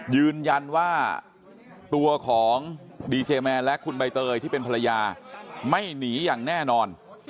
ยืนยันว่าตัวของดีเจแมนและคุณใบเตยที่เป็นภรรยาไม่หนีอย่างแน่นอน